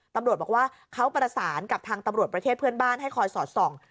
ตำรวจบอกว่าเขาประสานกับทางตำรวจประเทศเพื่อนบ้านให้คอยสอดส่อง